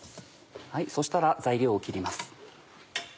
そしたら材料を切ります。